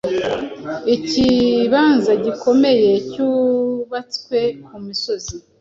Ikibanza gikomeyecyubatswe ku musozi